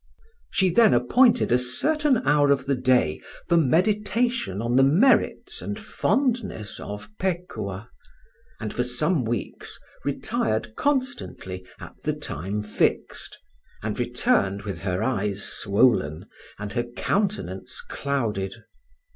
She then appointed a certain hour of the day for meditation on the merits and fondness of Pekuah, and for some weeks retired constantly at the time fixed, and returned with her eyes swollen and her countenance clouded.